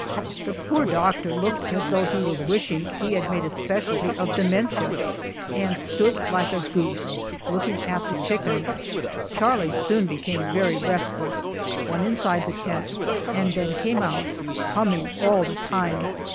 The poor doctor looked as though he was wishing he had made a specialty of dementia, and stood like a goose, looking at the chicken. Charlie soon became very restless went inside the tent, and then came out, humming all the time.